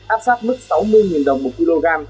áp sát mức sáu mươi đồng một kg